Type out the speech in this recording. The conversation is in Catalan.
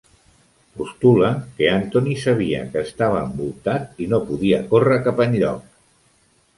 Postula que Antony sabia que estava envoltat i no podia córrer cap enlloc.